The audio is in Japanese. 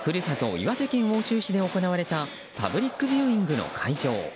岩手県奥州市で行われたパブリックビューイングの会場。